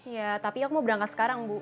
ya tapi aku mau berangkat sekarang bu